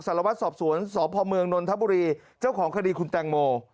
สารวัตรสอบสวนสพเมืองนนทบุรีเจ้าของคดีคุณแตงโม